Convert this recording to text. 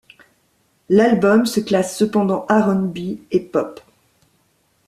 L’album se classe cependant R&B et pop.